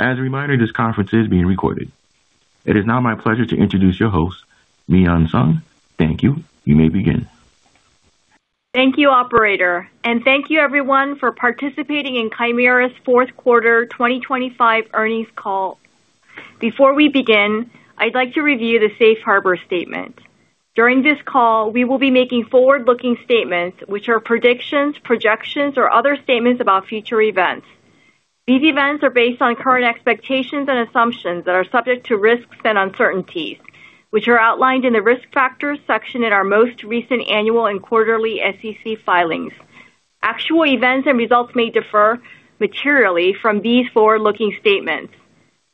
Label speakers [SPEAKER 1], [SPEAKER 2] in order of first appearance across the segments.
[SPEAKER 1] As a reminder, this conference is being recorded. It is now my pleasure to introduce your host, Miyun Sung. Thank you. You may begin.
[SPEAKER 2] Thank you, operator, and thank you everyone for participating in Chimera's Fourth Quarter 2025 earnings call. Before we begin, I'd like to review the Safe Harbor Statement. During this call, we will be making forward-looking statements which are predictions, projections, or other statements about future events. These events are based on current expectations and assumptions that are subject to risks and uncertainties, which are outlined in the Risk Factors section in our most recent annual and quarterly SEC filings. Actual events and results may differ materially from these forward-looking statements.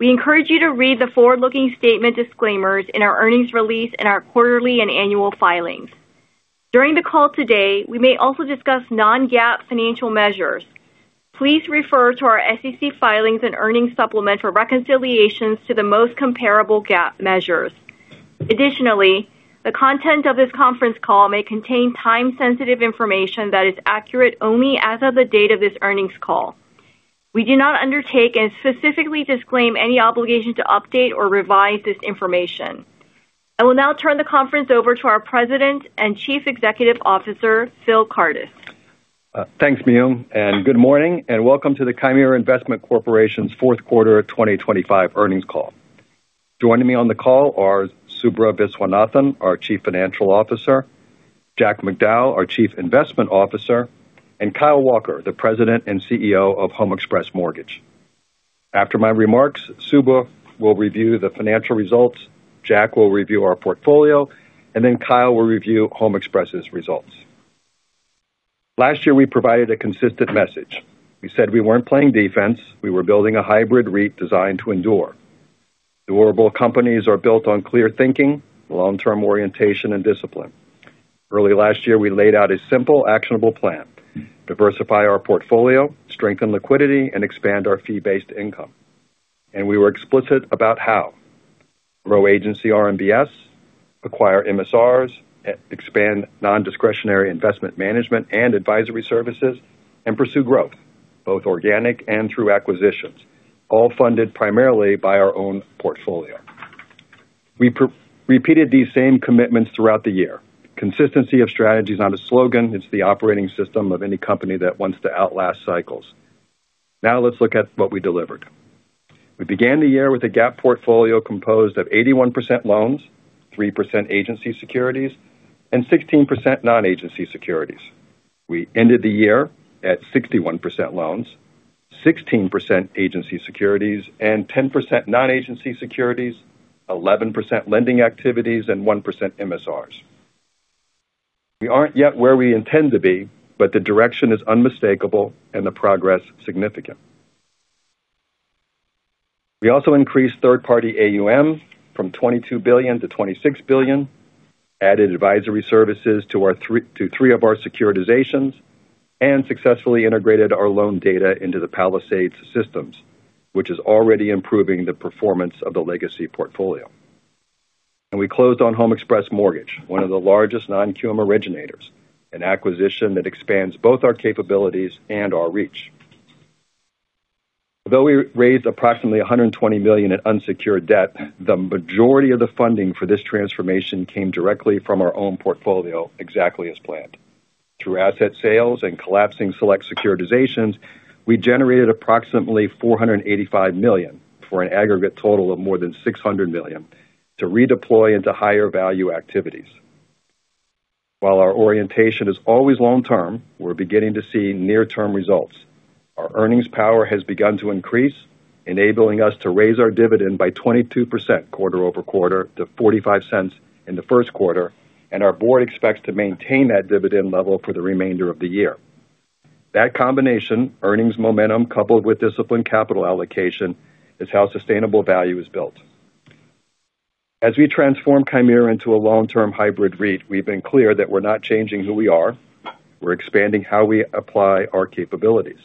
[SPEAKER 2] We encourage you to read the forward-looking statement disclaimers in our earnings release and our quarterly and annual filings. During the call today, we may also discuss non-GAAP financial measures. Please refer to our SEC filings and earnings supplement for reconciliations to the most comparable GAAP measures. Additionally, the content of this conference call may contain time-sensitive information that is accurate only as of the date of this earnings call. We do not undertake and specifically disclaim any obligation to update or revise this information. I will now turn the conference over to our President and Chief Executive Officer, Phil Kardis.
[SPEAKER 3] Thanks, Miyun, and good morning, and welcome to the Chimera Investment Corporation's fourth quarter 2025 earnings call. Joining me on the call are Subra Viswanathan, our Chief Financial Officer; Jack Macdowell, our Chief Investment Officer; and Kyle Walker, the president and CEO of HomeXpress Mortgage. After my remarks, Subra will review the financial results, Jack will review our portfolio, and then Kyle will review HomeXpress's results. Last year, we provided a consistent message. We said we weren't playing defense. We were building a hybrid REIT designed to endure. Durable companies are built on clear thinking, long-term orientation, and discipline. Early last year, we laid out a simple, actionable plan: diversify our portfolio, strengthen liquidity, and expand our fee-based income. We were explicit about how: grow Agency RMBS, acquire MSRs, expand nondiscretionary investment management and advisory services, and pursue growth, both organic and through acquisitions, all funded primarily by our own portfolio. We repeated these same commitments throughout the year: consistency of strategies on a slogan. It's the operating system of any company that wants to outlast cycles. Now let's look at what we delivered. We began the year with a GAAP portfolio composed of 81% loans, 3% Agency securities, and 16% non-Agency securities. We ended the year at 61% loans, 16% Agency securities, and 10% non-Agency securities, 11% lending activities, and 1% MSRs. We aren't yet where we intend to be, but the direction is unmistakable and the progress significant. We also increased third-party AUM from $22 billion-$26 billion, added advisory services to three of our securitizations, and successfully integrated our loan data into the Palisades systems, which is already improving the performance of the legacy portfolio. We closed on HomeXpress Mortgage, one of the largest non-QM originators, an acquisition that expands both our capabilities and our reach. Although we raised approximately $120 million in unsecured debt, the majority of the funding for this transformation came directly from our own portfolio, exactly as planned. Through asset sales and collapsing select securitizations, we generated approximately $485 million for an aggregate total of more than $600 million to redeploy into higher-value activities. While our orientation is always long-term, we're beginning to see near-term results. Our earnings power has begun to increase, enabling us to raise our dividend by 22% quarter-over-quarter to $0.45 in the first quarter, and our board expects to maintain that dividend level for the remainder of the year. That combination - earnings momentum coupled with disciplined capital allocation - is how sustainable value is built. As we transform Chimera into a long-term hybrid REIT, we've been clear that we're not changing who we are, we're expanding how we apply our capabilities.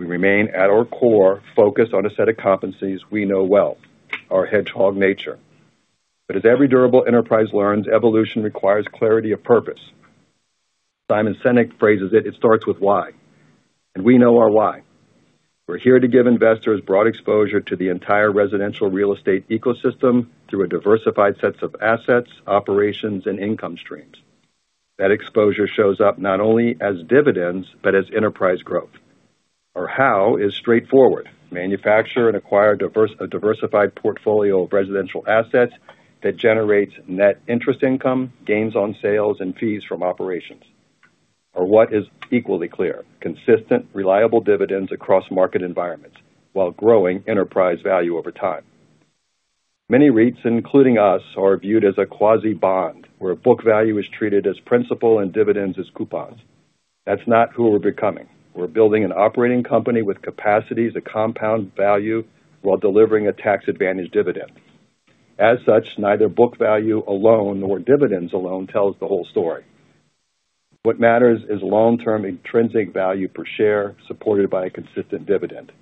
[SPEAKER 3] We remain, at our core, focused on a set of competencies we know well: our hedgehog nature. But as every durable enterprise learns, evolution requires clarity of purpose. Simon Sinek phrases it: "It starts with why." And we know our why. We're here to give investors broad exposure to the entire residential real estate ecosystem through a diversified set of assets, operations, and income streams. That exposure shows up not only as dividends but as enterprise growth. Our how is straightforward: manufacture and acquire a diversified portfolio of residential assets that generates net interest income, gains on sales, and fees from operations. Our what is equally clear: consistent, reliable dividends across market environments while growing enterprise value over time. Many REITs, including us, are viewed as a quasi-bond, where book value is treated as principal and dividends as coupons. That's not who we're becoming. We're building an operating company with capacities to compound value while delivering a tax-advantaged dividend. As such, neither book value alone nor dividends alone tells the whole story. What matters is long-term intrinsic value per share supported by a consistent dividend.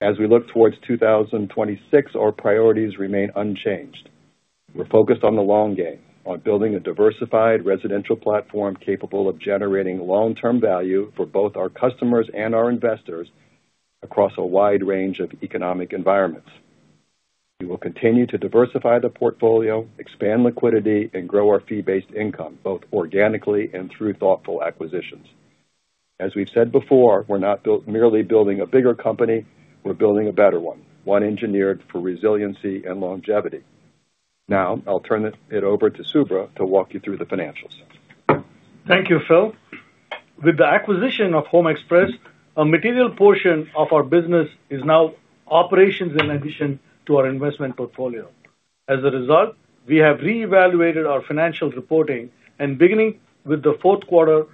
[SPEAKER 3] As we look towards 2026, our priorities remain unchanged. We're focused on the long game: on building a diversified residential platform capable of generating long-term value for both our customers and our investors across a wide range of economic environments. We will continue to diversify the portfolio, expand liquidity, and grow our fee-based income, both organically and through thoughtful acquisitions. As we've said before, we're not merely building a bigger company. We're building a better one, one engineered for resiliency and longevity. Now I'll turn it over to Subra to walk you through the financials.
[SPEAKER 4] Thank you, Phil. With the acquisition of HomeXpress, a material portion of our business is now operations in addition to our investment portfolio. As a result, we have reevaluated our financial reporting, and beginning with the fourth quarter,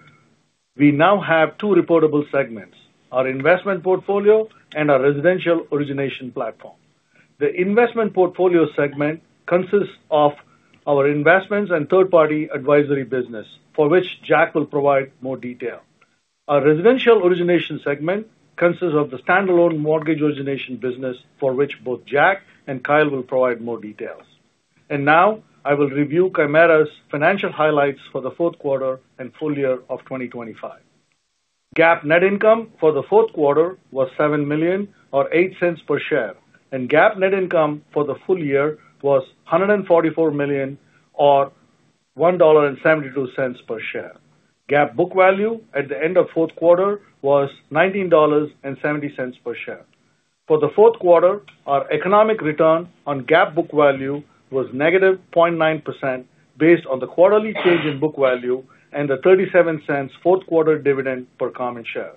[SPEAKER 4] we now have two reportable segments: our investment portfolio and our residential origination platform. The investment portfolio segment consists of our investments and third-party advisory business, for which Jack will provide more detail. Our residential origination segment consists of the standalone mortgage origination business, for which both Jack and Kyle will provide more details. Now I will review Chimera's financial highlights for the fourth quarter and full-year of 2025. GAAP net income for the fourth quarter was $7 million or $0.08 per share, and GAAP net income for the full-year was $144 million or $1.72 per share. GAAP book value at the end of fourth quarter was $19.70 per share. For the fourth quarter, our economic return on GAAP book value was -0.9% based on the quarterly change in book value and the $0.37 fourth quarter dividend per common share.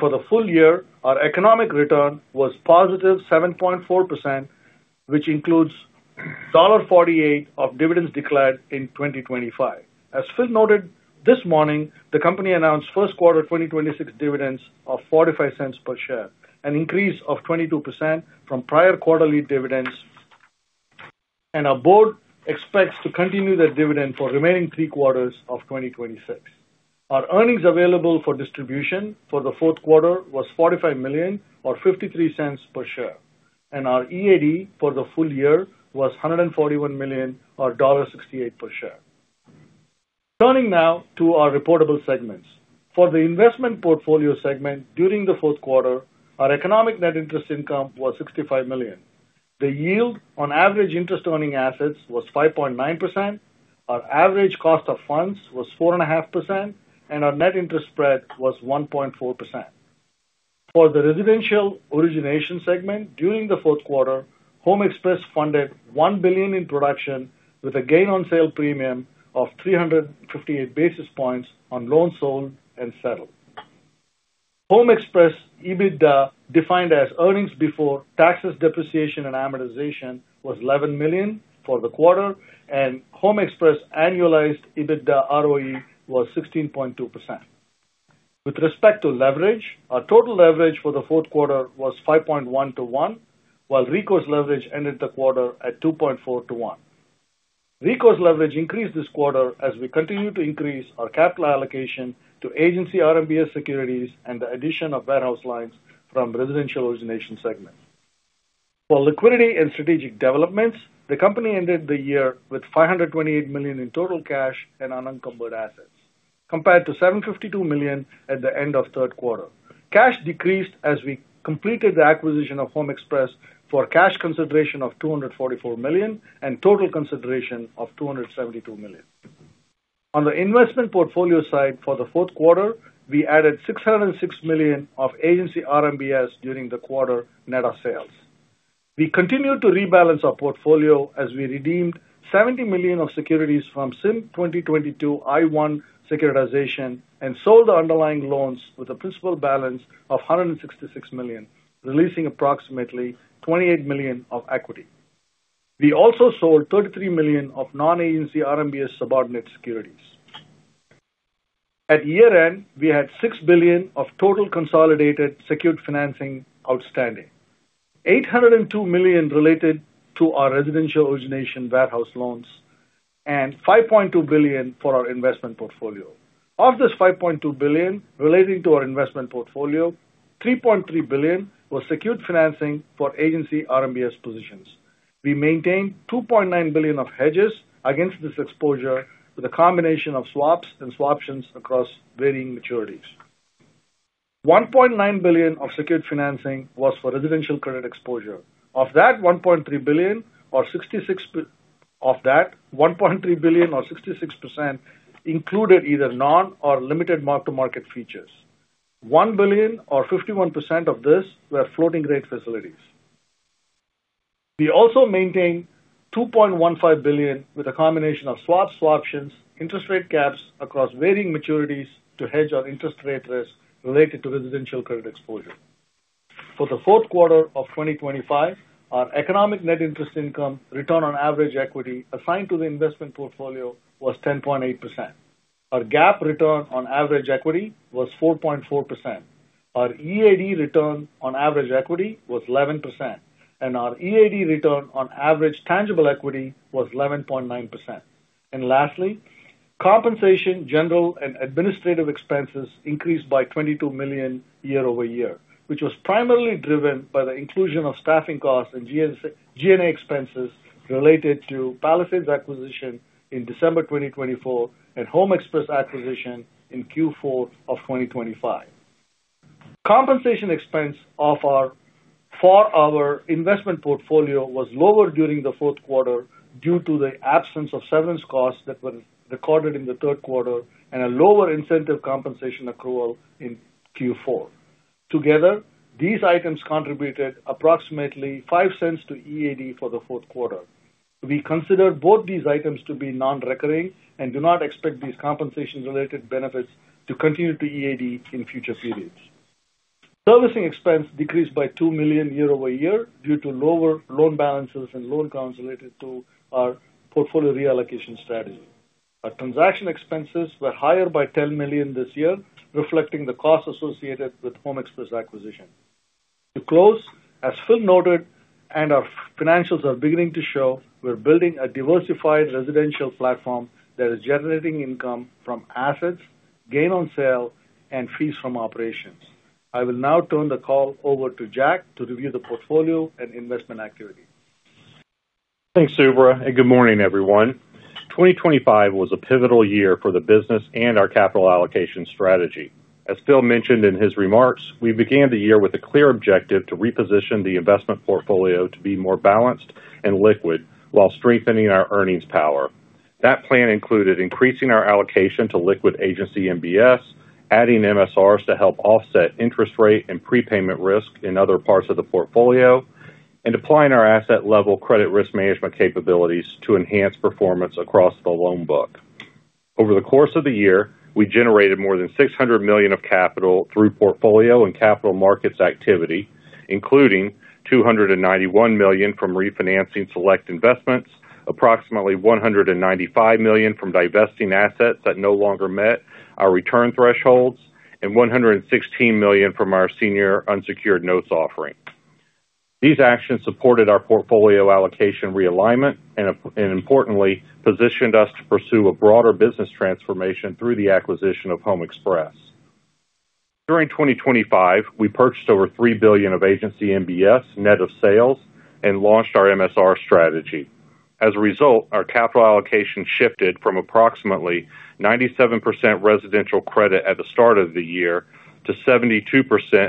[SPEAKER 4] For the full-year, our economic return was +7.4%, which includes $1.48 of dividends declared in 2025. As Phil noted this morning, the company announced first quarter 2026 dividends of $0.45 per share, an increase of 22% from prior quarterly dividends, and our board expects to continue that dividend for remaining three quarters of 2026. Our earnings available for distribution for the fourth quarter was $45 million or $0.53 per share, and our EAD for the full-year was $141 million or $1.68 per share. Turning now to our reportable segments. For the investment portfolio segment during the fourth quarter, our economic net interest income was $65 million. The yield on average interest-earning assets was 5.9%, our average cost of funds was 4.5%, and our net interest spread was 1.4%. For the residential origination segment during the fourth quarter, HomeXpress funded $1 billion in production with a gain-on-sale premium of 358 basis points on loans sold and settled. HomeXpress EBITDA, defined as earnings before taxes, depreciation, and amortization, was $11 million for the quarter, and HomeXpress annualized EBITDA ROE was 16.2%. With respect to leverage, our total leverage for the fourth quarter was 5.1-to-1, while Recourse leverage ended the quarter at 2.4-to-1. Recourse leverage increased this quarter as we continue to increase our capital allocation to Agency RMBS securities and the addition of warehouse lines from residential origination segments. For liquidity and strategic developments, the company ended the year with $528 million in total cash and unencumbered assets, compared to $752 million at the end of third quarter. Cash decreased as we completed the acquisition of HomeXpress for cash consideration of $244 million and total consideration of $272 million. On the investment portfolio side for the fourth quarter, we added $606 million of Agency RMBS during the quarter net of sales. We continued to rebalance our portfolio as we redeemed $70 million of securities from CIM 2022-I1 securitization and sold the underlying loans with a principal balance of $166 million, releasing approximately $28 million of equity. We also sold $33 million of non-Agency RMBS subordinate securities. At year-end, we had $6 billion of total consolidated secured financing outstanding, $802 million related to our residential origination warehouse loans, and $5.2 billion for our investment portfolio. Of this $5.2 billion relating to our investment portfolio, $3.3 billion was secured financing for Agency RMBS positions. We maintained $2.9 billion of hedges against this exposure with a combination of swaps and swaptions across varying maturities. $1.9 billion of secured financing was for residential credit exposure. Of that, $1.3 billion or 66% of that included either non- or limited mark-to-market features. $1 billion or 51% of this were floating-rate facilities. We also maintained $2.15 billion with a combination of swaps, swaptions, interest-rate caps across varying maturities to hedge our interest-rate risk related to residential credit exposure. For the fourth quarter of 2025, our economic net interest income return on average equity assigned to the investment portfolio was 10.8%. Our GAAP return on average equity was 4.4%. Our EAD return on average equity was 11%, and our EAD return on average tangible equity was 11.9%. Lastly, compensation, general, and administrative expenses increased by $22 million year-over-year, which was primarily driven by the inclusion of staffing costs and G&A expenses related to Palisades acquisition in December 2024 and HomeXpress acquisition in Q4 of 2025. Compensation expense for our investment portfolio was lower during the fourth quarter due to the absence of severance costs that were recorded in the third quarter and a lower incentive compensation accrual in Q4. Together, these items contributed approximately $0.05 to EAD for the fourth quarter. We consider both these items to be non-recurring and do not expect these compensation-related benefits to continue to EAD in future periods. Servicing expense decreased by $2 million year-over-year due to lower loan balances and loan counts related to our portfolio reallocation strategy. Our transaction expenses were higher by $10 million this year, reflecting the costs associated with HomeXpress acquisition. To close, as Phil noted and our financials are beginning to show, we're building a diversified residential platform that is generating income from assets, gain-on-sale, and fees from operations. I will now turn the call over to Jack to review the portfolio and investment activity.
[SPEAKER 5] Thanks, Subra, and good morning, everyone. 2025 was a pivotal year for the business and our capital allocation strategy. As Phil mentioned in his remarks, we began the year with a clear objective to reposition the investment portfolio to be more balanced and liquid while strengthening our earnings power. That plan included increasing our allocation to liquid Agency MBS, adding MSRs to help offset interest rate and prepayment risk in other parts of the portfolio, and applying our asset-level credit risk management capabilities to enhance performance across the loan book. Over the course of the year, we generated more than $600 million of capital through portfolio and capital markets activity, including $291 million from refinancing select investments, approximately $195 million from divesting assets that no longer met our return thresholds, and $116 million from our senior unsecured notes offering. These actions supported our portfolio allocation realignment and, importantly, positioned us to pursue a broader business transformation through the acquisition of HomeXpress. During 2025, we purchased over $3 billion of Agency MBS net of sales and launched our MSR strategy. As a result, our capital allocation shifted from approximately 97% residential credit at the start of the year to 72%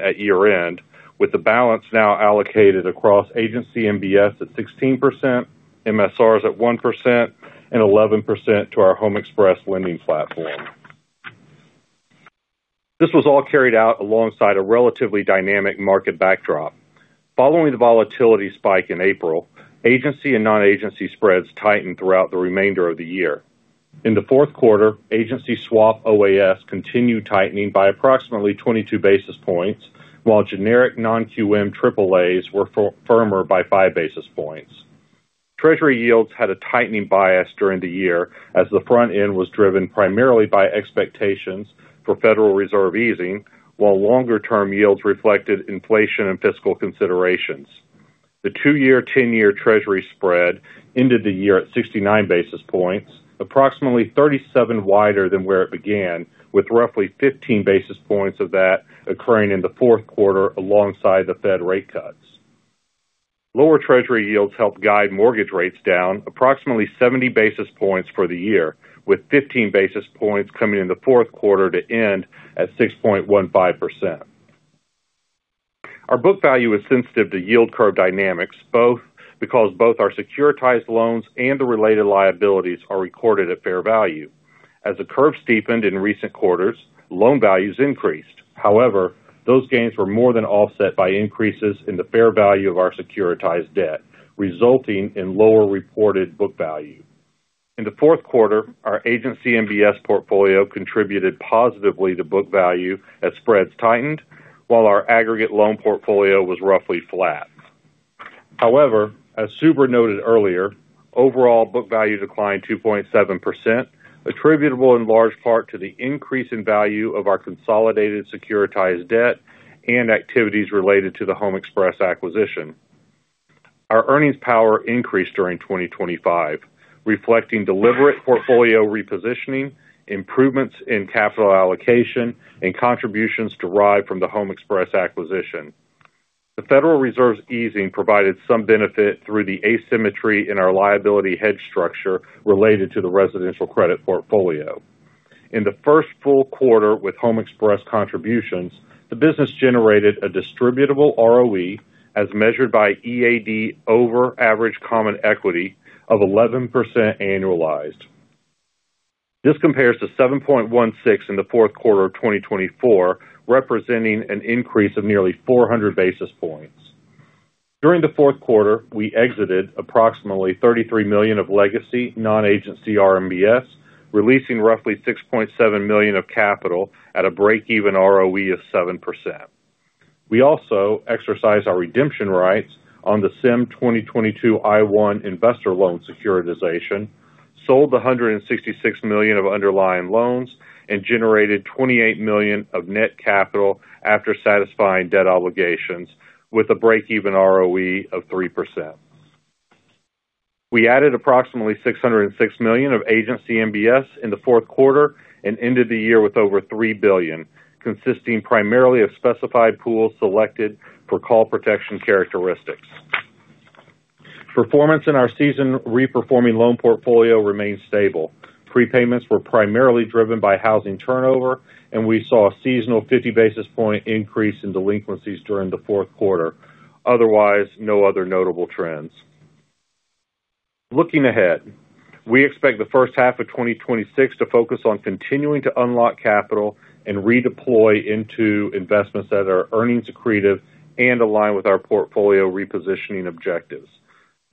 [SPEAKER 5] at year-end, with the balance now allocated across Agency MBS at 16%, MSRs at 1%, and 11% to our HomeXpress lending platform. This was all carried out alongside a relatively dynamic market backdrop. Following the volatility spike in April, Agency and non-Agency spreads tightened throughout the remainder of the year. In the fourth quarter, Agency swap OAS continued tightening by approximately 22 basis points, while generic non-QM AAAs were firmer by 5 basis points. Treasury yields had a tightening bias during the year as the front end was driven primarily by expectations for Federal Reserve easing, while longer-term yields reflected inflation and fiscal considerations. The two-year, 10-year Treasury spread ended the year at 69 basis points, approximately 37 wider than where it began, with roughly 15 basis points of that occurring in the fourth quarter alongside the Fed rate cuts. Lower Treasury yields helped guide mortgage rates down approximately 70 basis points for the year, with 15 basis points coming in the fourth quarter to end at 6.15%. Our book value is sensitive to yield curve dynamics, both because both our securitized loans and the related liabilities are recorded at fair value. As the curve steepened in recent quarters, loan values increased. However, those gains were more than offset by increases in the fair value of our securitized debt, resulting in lower reported book value. In the fourth quarter, our Agency MBS portfolio contributed positively to book value as spreads tightened, while our aggregate loan portfolio was roughly flat. However, as Subra noted earlier, overall book value declined 2.7%, attributable in large part to the increase in value of our consolidated securitized debt and activities related to the HomeXpress acquisition. Our earnings power increased during 2025, reflecting deliberate portfolio repositioning, improvements in capital allocation, and contributions derived from the HomeXpress acquisition. The Federal Reserve's easing provided some benefit through the asymmetry in our liability-hedge structure related to the residential credit portfolio. In the first full quarter with HomeXpress contributions, the business generated a distributable ROE as measured by EAD over average common equity of 11% annualized. This compares to 7.16 in the fourth quarter of 2024, representing an increase of nearly 400 basis points. During the fourth quarter, we exited approximately $33 million of legacy non-Agency RMBS, releasing roughly $6.7 million of capital at a break-even ROE of 7%. We also exercised our redemption rights on the CIM 2022-I1 investor loan securitization, sold the $166 million of underlying loans, and generated $28 million of net capital after satisfying debt obligations with a break-even ROE of 3%. We added approximately $606 million of Agency MBS in the fourth quarter and ended the year with over $3 billion, consisting primarily of specified pools selected for call protection characteristics. Performance in our seasoned reperforming loan portfolio remained stable. Prepayments were primarily driven by housing turnover, and we saw a seasonal 50 basis point increase in delinquencies during the fourth quarter. Otherwise, no other notable trends. Looking ahead, we expect the first half of 2026 to focus on continuing to unlock capital and redeploy into investments that are earnings accretive and align with our portfolio repositioning objectives.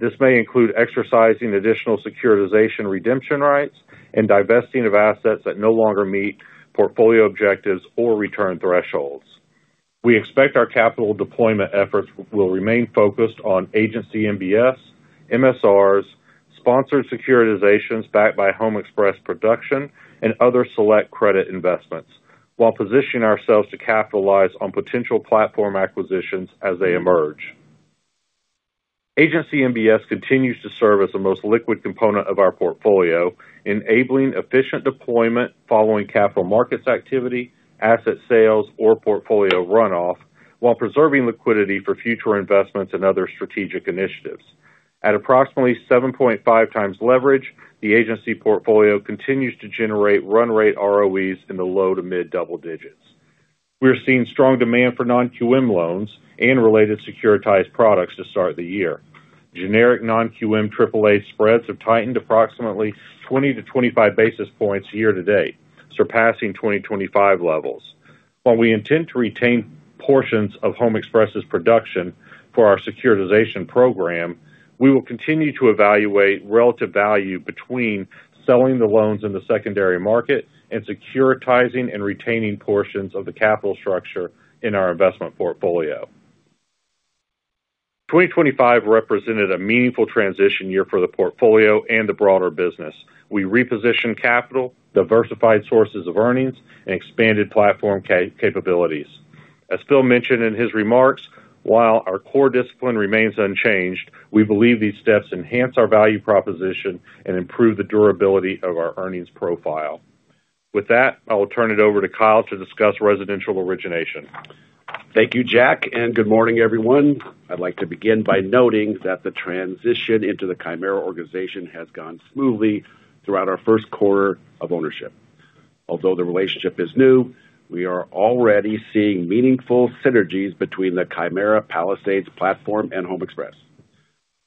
[SPEAKER 5] This may include exercising additional securitization redemption rights and divesting of assets that no longer meet portfolio objectives or return thresholds. We expect our capital deployment efforts will remain focused on Agency MBS, MSRs, sponsored securitizations backed by HomeXpress production, and other select credit investments while positioning ourselves to capitalize on potential platform acquisitions as they emerge. Agency MBS continues to serve as the most liquid component of our portfolio, enabling efficient deployment following capital markets activity, asset sales, or portfolio runoff while preserving liquidity for future investments and other strategic initiatives. At approximately 7.5 times leverage, the Agency portfolio continues to generate run-rate ROEs in the low to mid-double digits. We are seeing strong demand for non-QM loans and related securitized products to start the year. Generic non-QM AAA spreads have tightened approximately 20-25 basis points year to date, surpassing 2025 levels. While we intend to retain portions of HomeXpress's production for our securitization program, we will continue to evaluate relative value between selling the loans in the secondary market and securitizing and retaining portions of the capital structure in our investment portfolio. 2025 represented a meaningful transition year for the portfolio and the broader business. We repositioned capital, diversified sources of earnings, and expanded platform capabilities. As Phil mentioned in his remarks, while our core discipline remains unchanged, we believe these steps enhance our value proposition and improve the durability of our earnings profile. With that, I will turn it over to Kyle to discuss residential origination.
[SPEAKER 6] Thank you, Jack, and good morning, everyone. I'd like to begin by noting that the transition into the Chimera organization has gone smoothly throughout our first quarter of ownership. Although the relationship is new, we are already seeing meaningful synergies between the Chimera, Palisades platform, and HomeXpress.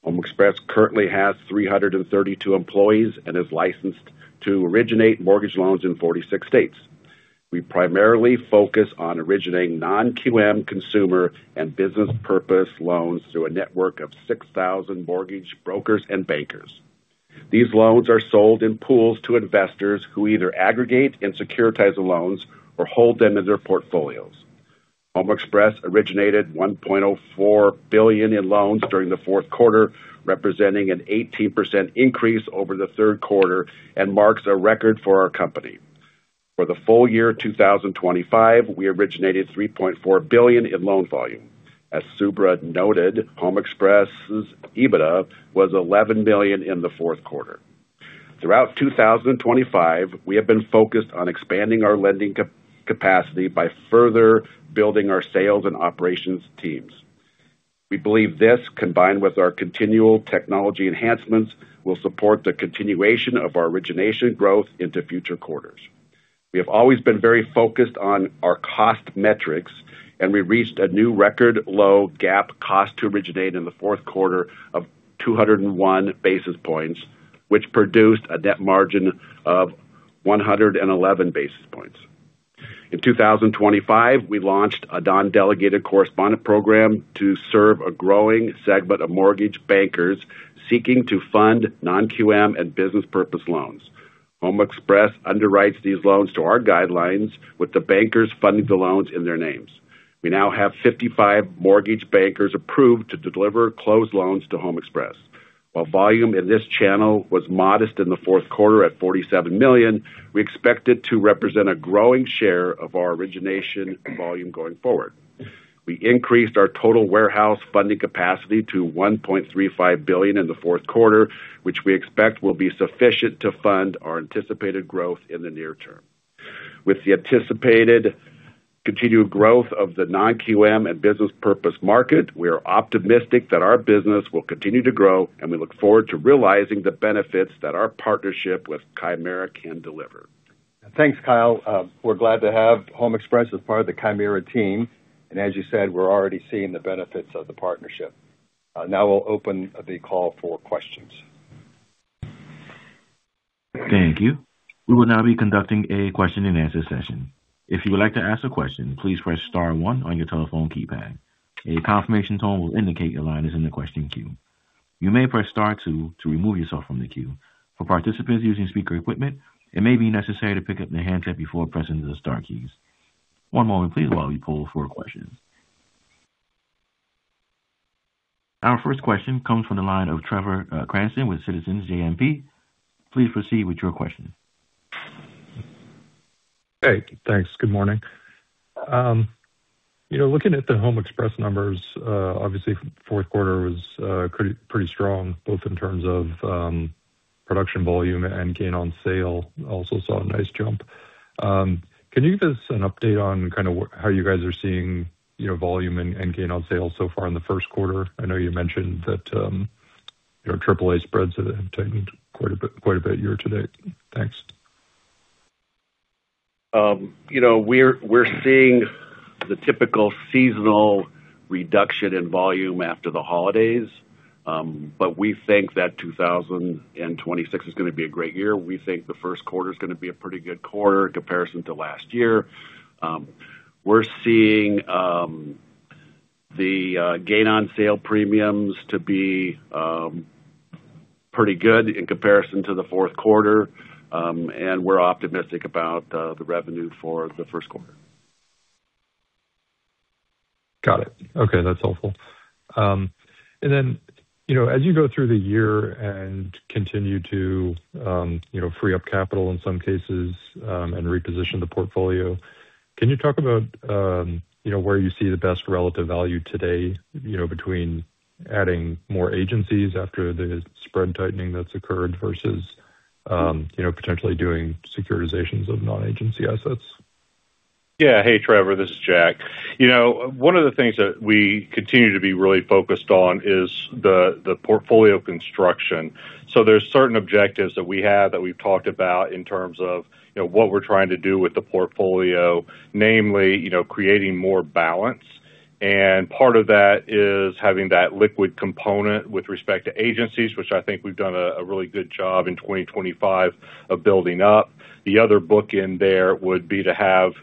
[SPEAKER 6] HomeXpress currently has 332 employees and is licensed to originate mortgage loans in 46 states. We primarily focus on originating non-QM consumer and business purpose loans through a network of 6,000 mortgage brokers and bankers. These loans are sold in pools to investors who either aggregate and securitize the loans or hold them in their portfolios. HomeXpress originated $1.04 billion in loans during the fourth quarter, representing an 18% increase over the third quarter and marks a record for our company. For the full-year 2025, we originated $3.4 billion in loan volume. As Subra noted, HomeXpress's EBITDA was $11 million in the fourth quarter. Throughout 2025, we have been focused on expanding our lending capacity by further building our sales and operations teams. We believe this, combined with our continual technology enhancements, will support the continuation of our origination growth into future quarters. We have always been very focused on our cost metrics, and we reached a new record low GAAP cost to originate in the fourth quarter of 201 basis points, which produced a net margin of 111 basis points. In 2025, we launched a non-delegated correspondent program to serve a growing segment of mortgage bankers seeking to fund non-QM and business purpose loans. HomeXpress underwrites these loans to our guidelines, with the bankers funding the loans in their names. We now have 55 mortgage bankers approved to deliver closed loans to HomeXpress. While volume in this channel was modest in the fourth quarter at $47 million, we expect it to represent a growing share of our origination volume going forward. We increased our total warehouse funding capacity to $1.35 billion in the fourth quarter, which we expect will be sufficient to fund our anticipated growth in the near term. With the anticipated continued growth of the non-QM and business purpose market, we are optimistic that our business will continue to grow, and we look forward to realizing the benefits that our partnership with Chimera can deliver.
[SPEAKER 3] Thanks, Kyle. We're glad to have HomeXpress as part of the Chimera team, and as you said, we're already seeing the benefits of the partnership. Now we'll open the call for questions.
[SPEAKER 1] Thank you. We will now be conducting a question-and-answer session. If you would like to ask a question, please press star 1 on your telephone keypad. A confirmation tone will indicate your line is in the question queue. You may press star 2 to remove yourself from the queue. For participants using speaker equipment, it may be necessary to pick up the handset before pressing the star keys. One moment, please, while we pull for questions. Our first question comes from the line of Trevor Cranston with Citizens JMP. Please proceed with your question.
[SPEAKER 7] Hey, thanks. Good morning. Looking at the HomeXpress numbers, obviously, fourth quarter was pretty strong, both in terms of production volume and gain on sale. Also saw a nice jump. Can you give us an update on kind of how you guys are seeing volume and gain on sale so far in the first quarter? I know you mentioned that AAA spreads have tightened quite a bit year-to-date. Thanks.
[SPEAKER 6] We're seeing the typical seasonal reduction in volume after the holidays, but we think that 2026 is going to be a great year. We think the first quarter is going to be a pretty good quarter in comparison to last year. We're seeing the gain on sale premiums to be pretty good in comparison to the fourth quarter, and we're optimistic about the revenue for the first quarter.
[SPEAKER 7] Got it. Okay, that's helpful. And then as you go through the year and continue to free up capital in some cases and reposition the portfolio, can you talk about where you see the best relative value today between adding more agencies after the spread tightening that's occurred versus potentially doing securitizations of non-Agency assets?
[SPEAKER 5] Yeah. Hey, Trevor. This is Jack. One of the things that we continue to be really focused on is the portfolio construction. So there's certain objectives that we have that we've talked about in terms of what we're trying to do with the portfolio, namely creating more balance. And part of that is having that liquid component with respect to agencies, which I think we've done a really good job in 2025 of building up. The other book in there would be to have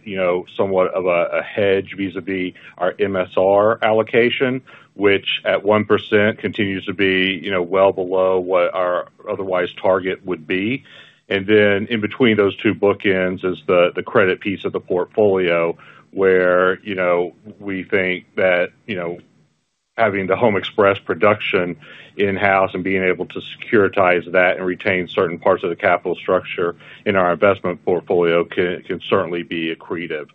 [SPEAKER 5] somewhat of a hedge vis-à-vis our MSR allocation, which at 1% continues to be well below what our otherwise target would be. Then in between those two bookends is the credit piece of the portfolio, where we think that having the HomeXpress production in-house and being able to securitize that and retain certain parts of the capital structure in our investment portfolio can certainly be accretive.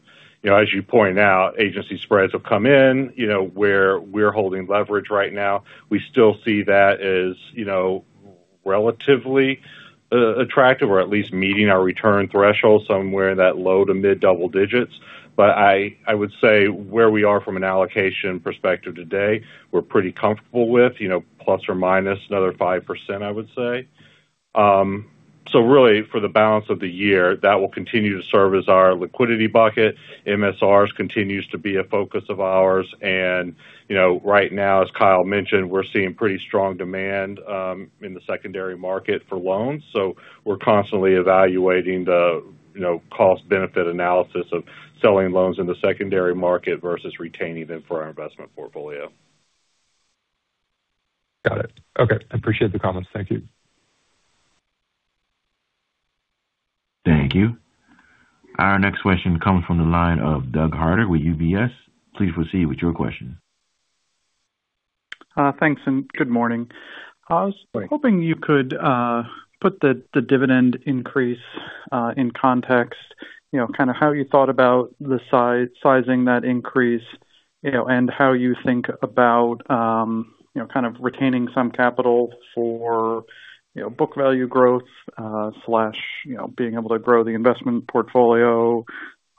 [SPEAKER 5] As you point out, Agency spreads have come in where we're holding leverage right now. We still see that as relatively attractive or at least meeting our return threshold somewhere in that low to mid double digits. But I would say where we are from an allocation perspective today, we're pretty comfortable with ±5%, I would say. So really, for the balance of the year, that will continue to serve as our liquidity bucket. MSRs continues to be a focus of ours. And right now, as Kyle mentioned, we're seeing pretty strong demand in the secondary market for loans. We're constantly evaluating the cost-benefit analysis of selling loans in the secondary market versus retaining them for our investment portfolio.
[SPEAKER 7] Got it. Okay. I appreciate the comments. Thank you.
[SPEAKER 1] Thank you. Our next question comes from the line of Doug Harter with UBS. Please proceed with your question.
[SPEAKER 8] Thanks and good morning. I was hoping you could put the dividend increase in context, kind of how you thought about sizing that increase and how you think about kind of retaining some capital for book value growth/being able to grow the investment portfolio,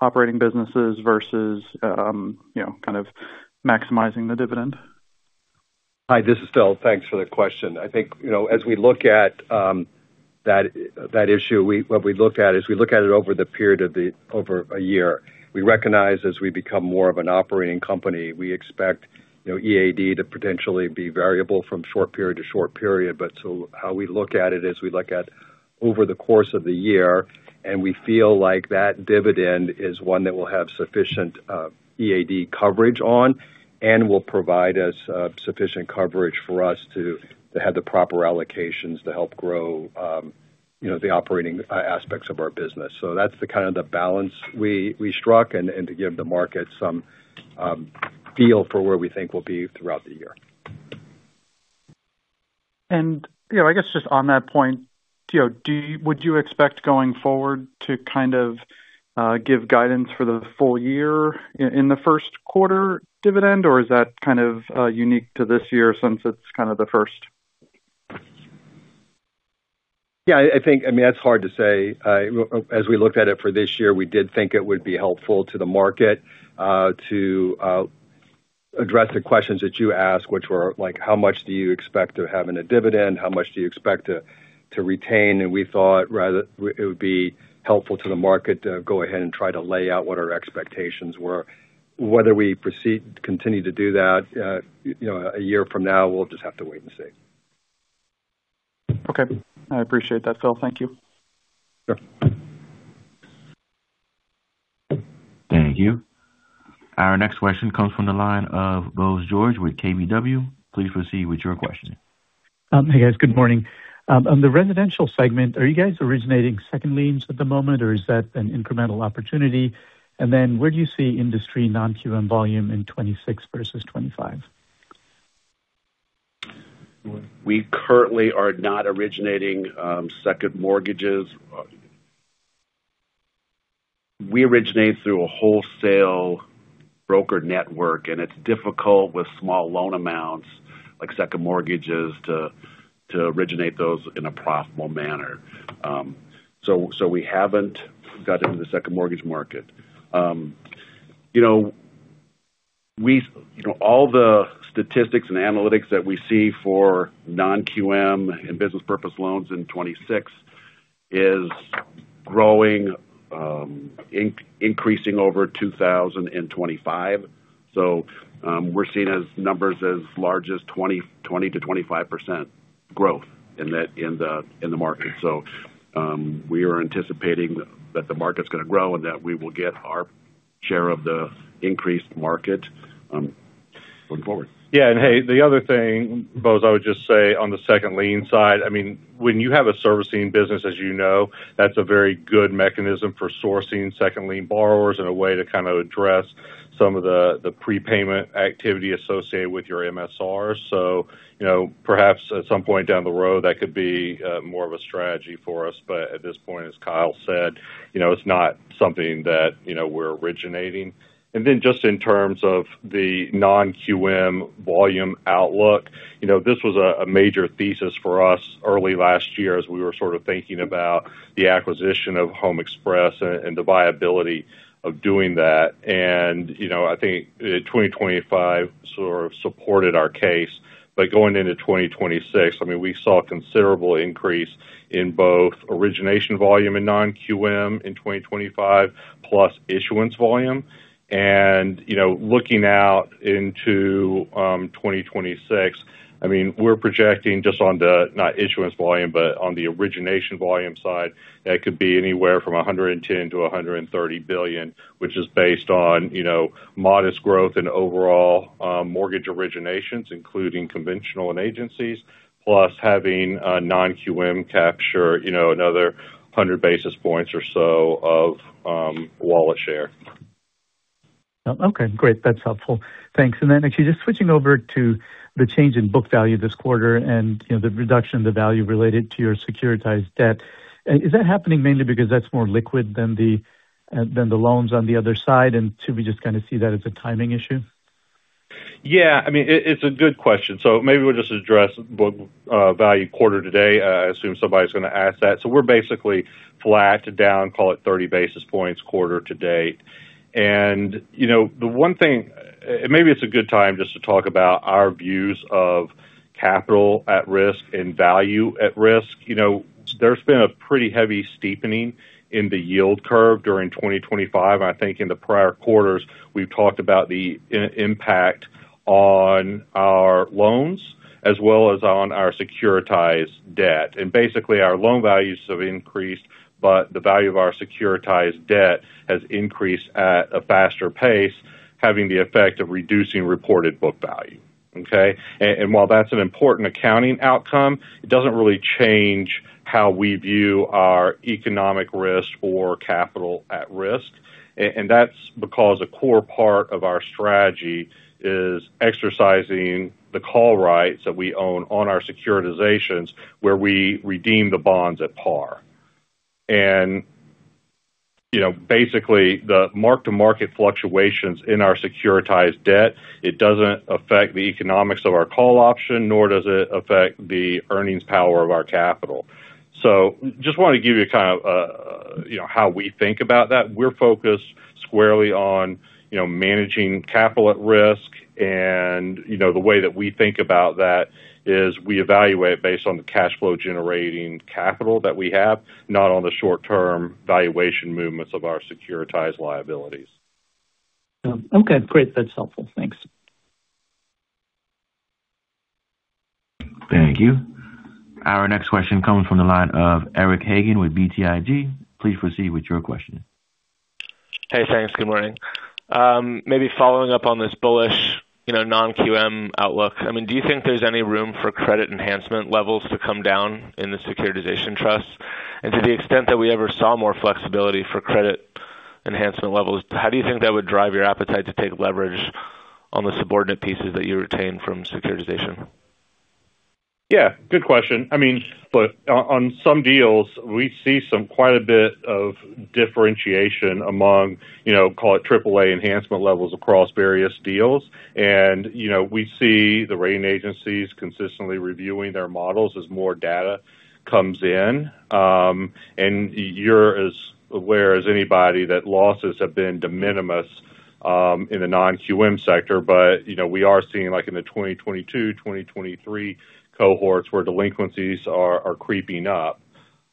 [SPEAKER 8] operating businesses versus kind of maximizing the dividend.
[SPEAKER 3] Hi, this is Phil. Thanks for the question. I think as we look at that issue, what we look at is we look at it over the period of a year. We recognize as we become more of an operating company, we expect EAD to potentially be variable from short period to short period. But so how we look at it is we look at over the course of the year, and we feel like that dividend is one that will have sufficient EAD coverage on and will provide us sufficient coverage for us to have the proper allocations to help grow the operating aspects of our business. So that's kind of the balance we struck and to give the market some feel for where we think we'll be throughout the year.
[SPEAKER 8] I guess just on that point, would you expect going forward to kind of give guidance for the full-year in the first quarter dividend, or is that kind of unique to this year since it's kind of the first?
[SPEAKER 3] Yeah, I mean, that's hard to say. As we looked at it for this year, we did think it would be helpful to the market to address the questions that you asked, which were like, "How much do you expect to have in a dividend? How much do you expect to retain?" And we thought it would be helpful to the market to go ahead and try to lay out what our expectations were. Whether we continue to do that a year from now, we'll just have to wait and see.
[SPEAKER 8] Okay. I appreciate that, Phil. Thank you.
[SPEAKER 3] Sure.
[SPEAKER 1] Thank you. Our next question comes from the line of Bose George with KBW. Please proceed with your question.
[SPEAKER 9] Hey, guys. Good morning. On the residential segment, are you guys originating second liens at the moment, or is that an incremental opportunity? And then where do you see industry non-QM volume in 2026 versus 2025?
[SPEAKER 6] We currently are not originating second mortgages. We originate through a wholesale broker network, and it's difficult with small loan amounts like second mortgages to originate those in a profitable manner. So we haven't got into the second mortgage market. All the statistics and analytics that we see for non-QM and business purpose loans in 2026 is growing, increasing over 2,000 in 2025. So we're seeing numbers as large as 20%-25% growth in the market. So we are anticipating that the market's going to grow and that we will get our share of the increased market going forward.
[SPEAKER 5] Yeah. And hey, the other thing, Bose, I would just say on the second lien side, I mean, when you have a servicing business, as you know, that's a very good mechanism for sourcing second lien borrowers and a way to kind of address some of the prepayment activity associated with your MSRs. So perhaps at some point down the road, that could be more of a strategy for us. But at this point, as Kyle said, it's not something that we're originating. And then just in terms of the non-QM volume outlook, this was a major thesis for us early last year as we were sort of thinking about the acquisition of HomeXpress and the viability of doing that. And I think 2025 sort of supported our case. But going into 2026, I mean, we saw a considerable increase in both origination volume and non-QM in 2025, plus issuance volume. And looking out into 2026, I mean, we're projecting not just on the issuance volume, but on the origination volume side, that could be anywhere from $110 billion-$130 billion, which is based on modest growth in overall mortgage originations, including conventional and agencies, plus having non-QM capture another 100 basis points or so of wallet share.
[SPEAKER 9] Okay, great. That's helpful. Thanks. And then actually, just switching over to the change in book value this quarter and the reduction in the value related to your securitized debt, is that happening mainly because that's more liquid than the loans on the other side? And should we just kind of see that as a timing issue?
[SPEAKER 5] Yeah. I mean, it's a good question. So maybe we'll just address book value quarter to date. I assume somebody's going to ask that. So we're basically flat down, call it 30 basis points quarter to date. And the one thing, and maybe it's a good time just to talk about our views of capital at risk and value at risk. There's been a pretty heavy steepening in the yield curve during 2025. And I think in the prior quarters, we've talked about the impact on our loans as well as on our securitized debt. And basically, our loan values have increased, but the value of our securitized debt has increased at a faster pace, having the effect of reducing reported book value. Okay? And while that's an important accounting outcome, it doesn't really change how we view our economic risk or capital at risk. That's because a core part of our strategy is exercising the call rights that we own on our securitizations, where we redeem the bonds at par. Basically, the mark-to-market fluctuations in our securitized debt, it doesn't affect the economics of our call option, nor does it affect the earnings power of our capital. Just wanted to give you kind of how we think about that. We're focused squarely on managing capital at risk. The way that we think about that is we evaluate based on the cash flow generating capital that we have, not on the short-term valuation movements of our securitized liabilities.
[SPEAKER 9] Okay, great. That's helpful. Thanks.
[SPEAKER 1] Thank you. Our next question comes from the line of Eric Hagen with BTIG. Please proceed with your question.
[SPEAKER 10] Hey, thanks. Good morning. Maybe following up on this bullish non-QM outlook, I mean, do you think there's any room for credit enhancement levels to come down in the securitization trusts? And to the extent that we ever saw more flexibility for credit enhancement levels, how do you think that would drive your appetite to take leverage on the subordinate pieces that you retain from securitization?
[SPEAKER 5] Yeah, good question. I mean, but on some deals, we see quite a bit of differentiation among, call it, AAA enhancement levels across various deals. We see the rating agencies consistently reviewing their models as more data comes in. You're as aware as anybody that losses have been de minimis in the Non-QM sector. But we are seeing in the 2022, 2023 cohorts where delinquencies are creeping up.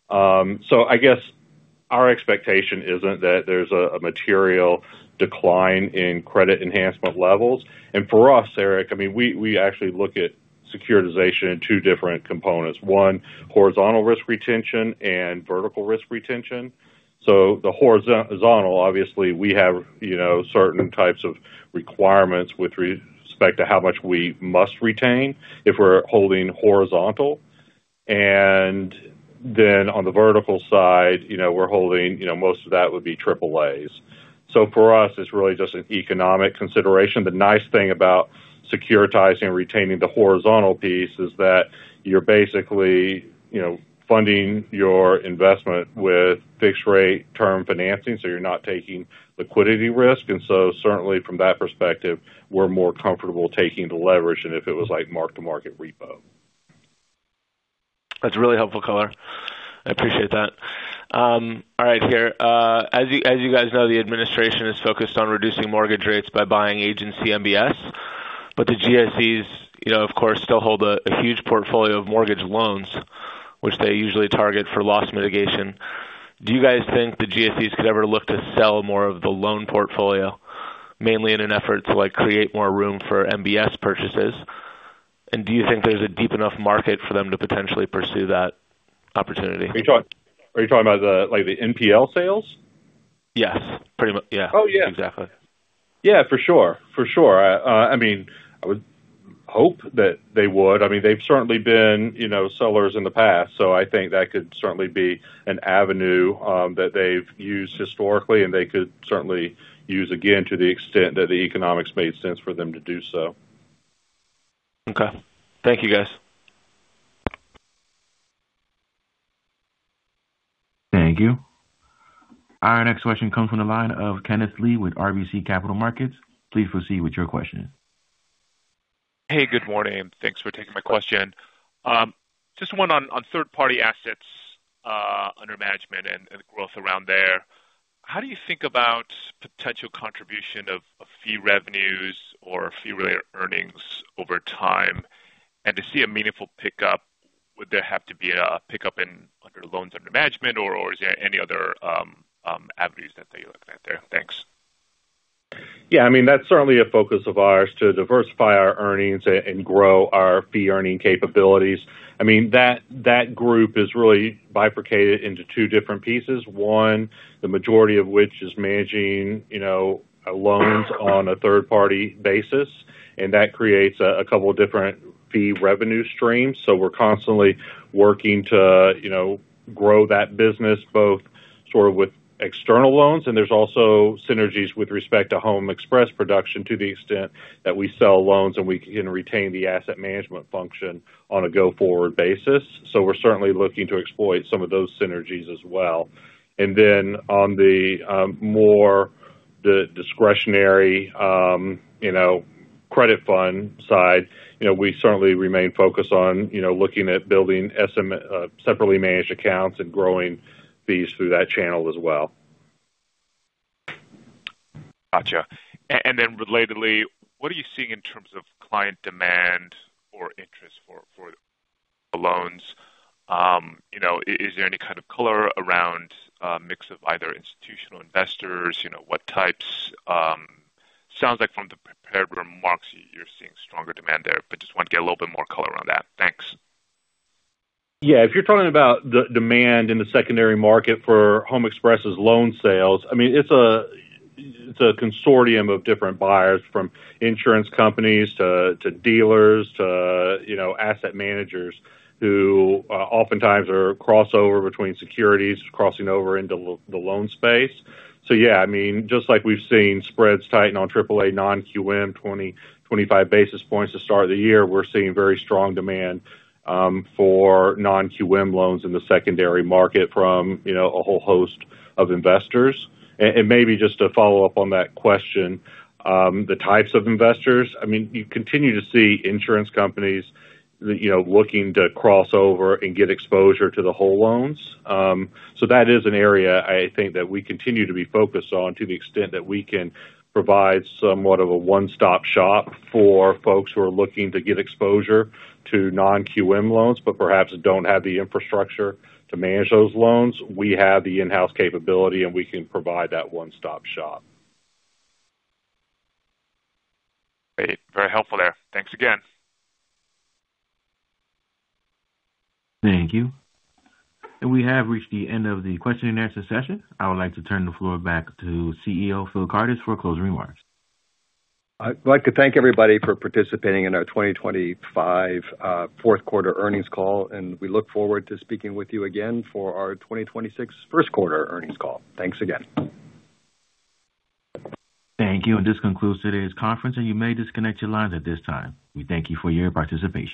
[SPEAKER 5] So I guess our expectation isn't that there's a material decline in credit enhancement levels. For us, Eric, I mean, we actually look at securitization in two different components. One, horizontal risk retention and vertical risk retention. So the horizontal, obviously, we have certain types of requirements with respect to how much we must retain if we're holding horizontal. Then on the vertical side, we're holding most of that would be AAAs. So for us, it's really just an economic consideration. The nice thing about securitizing and retaining the horizontal piece is that you're basically funding your investment with fixed-rate term financing. So you're not taking liquidity risk. And so certainly, from that perspective, we're more comfortable taking the leverage than if it was like mark-to-market repo.
[SPEAKER 10] That's really helpful, Color. I appreciate that. All right, here. As you guys know, the administration is focused on reducing mortgage rates by buying Agency MBS. But the GSEs, of course, still hold a huge portfolio of mortgage loans, which they usually target for loss mitigation. Do you guys think the GSEs could ever look to sell more of the loan portfolio, mainly in an effort to create more room for MBS purchases? And do you think there's a deep enough market for them to potentially pursue that opportunity?
[SPEAKER 5] Are you talking about the NPL sales?
[SPEAKER 10] Yes. Yeah.
[SPEAKER 5] Oh, yeah.
[SPEAKER 10] Exactly.
[SPEAKER 5] Yeah, for sure. For sure. I mean, I would hope that they would. I mean, they've certainly been sellers in the past. So I think that could certainly be an avenue that they've used historically, and they could certainly use again to the extent that the economics made sense for them to do so.
[SPEAKER 10] Okay. Thank you, guys.
[SPEAKER 1] Thank you. Our next question comes from the line of Kenneth Lee with RBC Capital Markets. Please proceed with your question.
[SPEAKER 11] Hey, good morning. Thanks for taking my question. Just one on third-party assets under management and growth around there. How do you think about potential contribution of fee revenues or fee-related earnings over time? And to see a meaningful pickup, would there have to be a pickup under loans under management, or is there any other avenues that you're looking at there? Thanks.
[SPEAKER 5] Yeah, I mean, that's certainly a focus of ours to diversify our earnings and grow our fee earning capabilities. I mean, that group is really bifurcated into two different pieces, one, the majority of which is managing loans on a third-party basis. And that creates a couple of different fee revenue streams. So we're constantly working to grow that business both sort of with external loans. And there's also synergies with respect to HomeXpress production to the extent that we sell loans and we can retain the asset management function on a go-forward basis. So we're certainly looking to exploit some of those synergies as well. And then on the more discretionary credit fund side, we certainly remain focused on looking at building separately managed accounts and growing fees through that channel as well.
[SPEAKER 11] Gotcha. And then relatedly, what are you seeing in terms of client demand or interest for loans? Is there any kind of color around a mix of either institutional investors? What types? Sounds like from the prepared remarks, you're seeing stronger demand there, but just want to get a little bit more color on that. Thanks.
[SPEAKER 5] Yeah, if you're talking about the demand in the secondary market for HomeXpress's loan sales, I mean, it's a consortium of different buyers from insurance companies to dealers to asset managers who oftentimes are a crossover between securities, crossing over into the loan space. So yeah, I mean, just like we've seen spreads tighten on AAA non-QM 20-25 basis points to start the year, we're seeing very strong demand for non-QM loans in the secondary market from a whole host of investors. And maybe just to follow up on that question, the types of investors, I mean, you continue to see insurance companies looking to crossover and get exposure to the whole loans. So that is an area, I think, that we continue to be focused on to the extent that we can provide somewhat of a one-stop shop for folks who are looking to get exposure to non-QM loans but perhaps don't have the infrastructure to manage those loans. We have the in-house capability, and we can provide that one-stop shop.
[SPEAKER 11] Great. Very helpful there. Thanks again.
[SPEAKER 1] Thank you. We have reached the end of the question-and-answer session. I would like to turn the floor back to CEO Phil Kardis for closing remarks.
[SPEAKER 3] I'd like to thank everybody for participating in our 2025 fourth-quarter earnings call. We look forward to speaking with you again for our 2026 first-quarter earnings call. Thanks again.
[SPEAKER 1] Thank you. This concludes today's conference, and you may disconnect your lines at this time. We thank you for your participation.